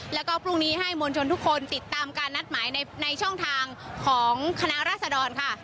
แล้วก็พรุ่งนี้ให้มวลชนทุกคนติดตามการนัดหมายในช่องทางของคณะราษดรค่ะ